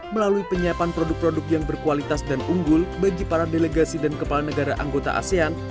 melalui penyiapan produk produk yang berkualitas dan unggul bagi para delegasi dan kepala negara anggota asean